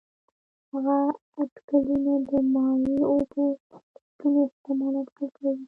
هغه اټکلونه د مایع اوبو د شتون احتمال اټکل کوي.